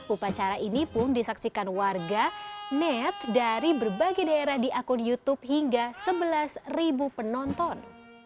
upacara ini pun disaksikan warga net dari berbagai daerah di akun youtube hingga sebelas penonton